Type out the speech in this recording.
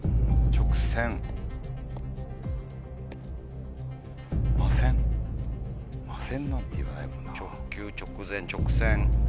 「直球」「直前」「直線」。